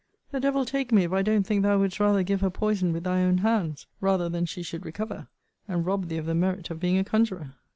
The devil take me, if I don't think thou wouldst rather give her poison with thy own hands, rather than she should recover, and rob thee of the merit of being a conjurer!